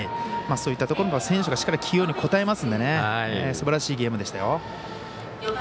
そういったところも選手が起用に応えますのですばらしいゲームでしたよ。